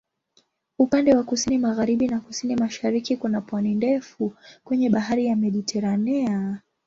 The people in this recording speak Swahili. Upande wa kusini-magharibi na kusini-mashariki kuna pwani ndefu kwenye Bahari ya Mediteranea.